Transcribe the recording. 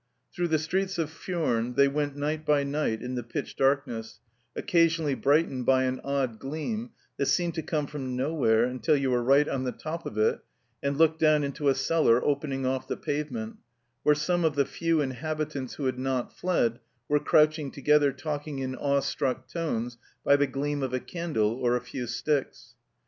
Through the streets of Furnes they went night by night in the pitch darkness, occasionally brightened by an odd gleam that seemed to come from nowhere until you were right on the top of it and looked down into a cellar opening off the pave ment, where some of the few inhabitants who had not fled were crouching together talking in awe struck tones by the gleam of a candle or a few sticks.